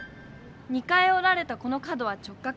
２回おられたこの角は直角。